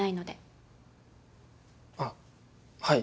あっはい。